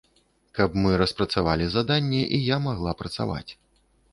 Каб мы распрацавалі заданне і я магла працаваць.